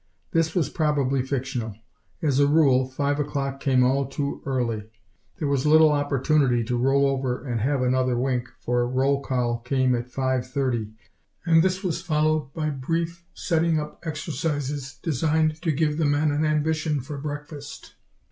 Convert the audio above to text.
This was probably fictional. As a rule, five o'clock came all too early. There was little opportunity to roll over and have another wink, for roll call came at five thirty, and this was followed by brief setting up exercises, designed to give the men an ambition for breakfast.